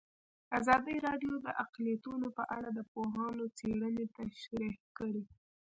ازادي راډیو د اقلیتونه په اړه د پوهانو څېړنې تشریح کړې.